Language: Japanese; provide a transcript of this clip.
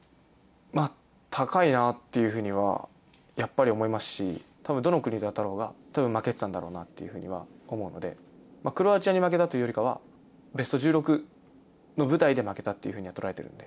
高いなっていうふうにはやっぱり思いますし、たぶん、どの国と当たろうが、たぶん負けてたんだろうなというふうには思うので、クロアチアに負けたというよりかは、ベスト１６の舞台で負けたっていうふうには捉えているんで。